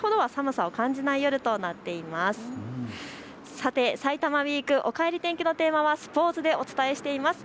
さてさいたまウイーク、おかえり天気のテーマはスポーツでお伝えしています。